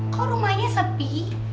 kok rumahnya sepi